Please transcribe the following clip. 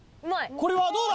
これはどうだ？